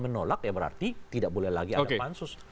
menolak ya berarti tidak boleh lagi ada pansus